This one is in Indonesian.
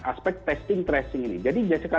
aspek testing tracing ini jadi biasanya